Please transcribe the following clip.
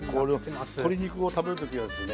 鶏肉を食べる時はですね